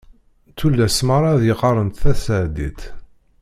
Tullas meṛṛa ad yi-qqarent taseɛdit.